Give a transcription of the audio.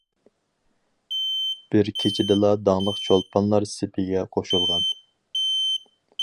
بىر كېچىدىلا داڭلىق چولپانلار سېپىگە قوشۇلغان.